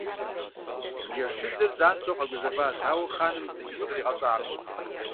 Джэшыдзыр занщӀэу къэгузэващ, ауэ хъаным зыкӀи зыкъригъэщӀакъым.